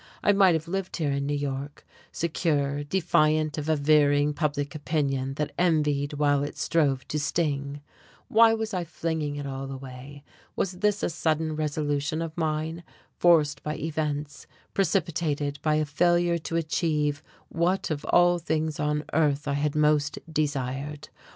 I might have lived here in New York, secure, defiant of a veering public opinion that envied while it strove to sting. Why was I flinging it all away? Was this a sudden resolution of mine, forced by events, precipitated by a failure to achieve what of all things on earth I had most desired?